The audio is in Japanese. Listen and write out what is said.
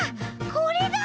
これだ！